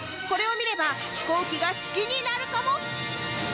これを見れば飛行機が好きになるかも！？